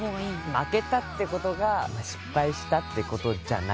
負けたってことが失敗したってことじゃないと思う。